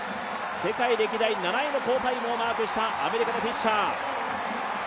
世界歴代７位の好タイムをマークしたアメリカのフィッシャー。